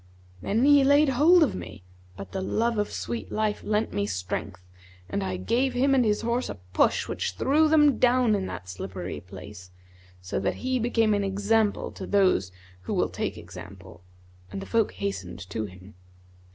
Then he laid hold of me but the love of sweet life lent me strength and I gave him and his horse a push which threw them down in that slippery place, so that he became an example to those who will take example; and the folk hastened to him.